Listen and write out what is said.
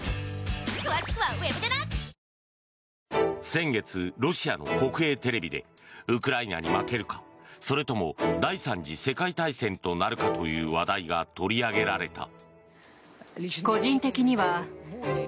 先月、ロシアの国営テレビでウクライナに負けるかそれとも第３次世界大戦となるかという話題が取り上げられた。